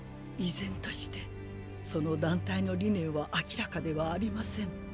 依然としてその団体の理念は明らかではありません。